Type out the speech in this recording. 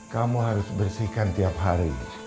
kamu harus bersihkan tiap hari